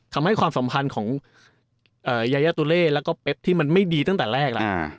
ทำให้ความสัมพันธ์ของยายะตุเล่และเป๊บที่มันไม่ดีตั้งแต่แรก